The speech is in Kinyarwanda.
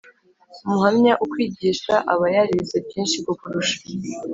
Umuhamya ukwigisha aba yarize byinshi kukurusha